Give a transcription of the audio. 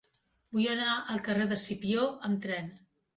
Vull anar al carrer d'Escipió amb tren.